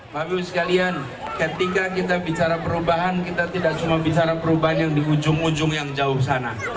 bapak ibu sekalian ketika kita bicara perubahan kita tidak cuma bicara perubahan yang di ujung ujung yang jauh sana